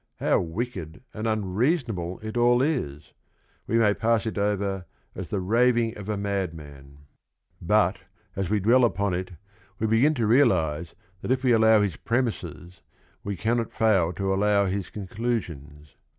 How wicked and unreasonable it all is ! We may pass it over as the raving of a madman. But, as we LESSONS OF RING AND BOOK 221 dwell upon it, we begin to realize that if we allow his premises we cannot fail to allow his con clusions.